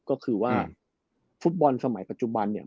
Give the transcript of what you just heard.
ก็คือว่าฟุตบอลสมัยปัจจุบันเนี่ย